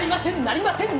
なりません！